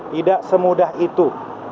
tidak semudah itu